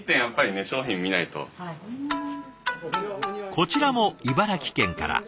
こちらも茨城県から。